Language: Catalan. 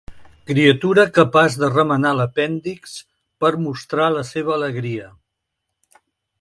Criatura capaç de remenar l'apèndix per mostrar la seva alegria.